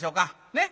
ねっ？